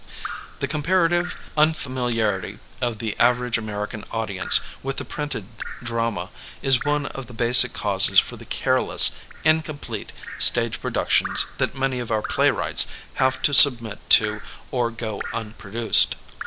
The comparative unf amiliarity of the average Amer ican audience with the printed drama is one of the basic causes for the careless, incomplete, stage pro ductions that many of our playwrights have to sub mit to — or go unproduced.